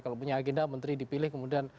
kalau punya agenda menteri dipilih kemudian